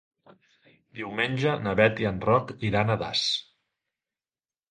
Diumenge na Beth i en Roc iran a Das.